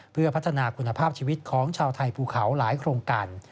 เพื่อพัฒนาคุณภาพชีวิตของชาวไทยภูเขาหลายโครงการ